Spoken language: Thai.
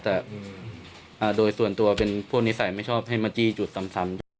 แต่โดยส่วนตัวเป็นพวกนิสัยไม่ชอบให้มาจี้จุดซ้ำใช่ไหม